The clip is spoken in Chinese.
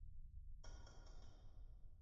靖远钟鼓楼的历史年代为民国。